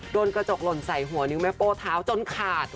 โดนกระจกหล่นใส่หัวนิ้วแม่โป้เท้าจนขาด